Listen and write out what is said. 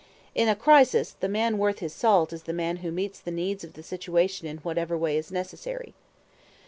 In a crisis, the man worth his salt is the man who meets the needs of the situation in whatever way is necessary.